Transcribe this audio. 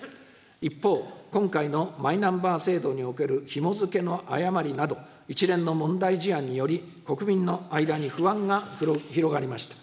一方、今回のマイナンバー制度におけるひも付けの誤りなど、一連の問題事案により、国民の間に不安が広がりました。